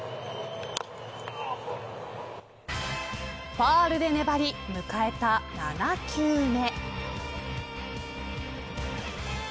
ファウルで粘り、迎えた７球目。